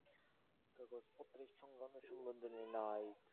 কাগজপত্রের সঙ্গে কোন সম্বন্ধই নাই।